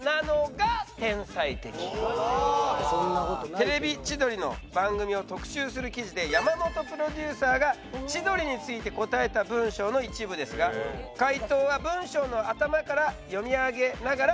『テレビ千鳥』の番組を特集する記事で山本プロデューサーが千鳥について答えた文章の一部ですが解答は文章の頭から読み上げながらお答え頂きたいと。